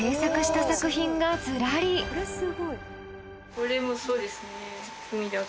これもそうですね。